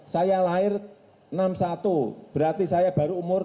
saya lahir enam puluh satu berarti saya baru umur tiga puluh tiga